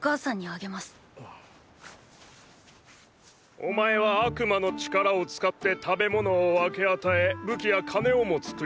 お前は悪魔の力を使って食べ物を分け与え武器や金をも作り出した。